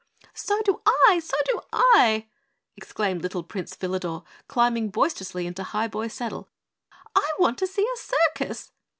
"So do I! So do I!" exclaimed little Prince Philador, climbing boisterously into Highboy's saddle. "I want to see a circus!"